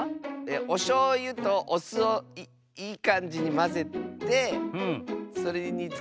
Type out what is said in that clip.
おしょうゆとおすをいいかんじにまぜてそれにつけてたべます！